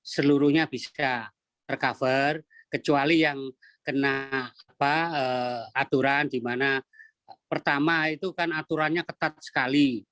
seluruhnya bisa tercover kecuali yang kena aturan di mana pertama itu kan aturannya ketat sekali